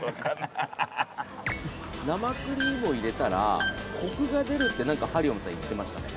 生クリームを入れたら、こくが出るって、なんかハリオムさん言ってましたね。